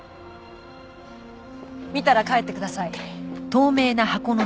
見たら帰ってください。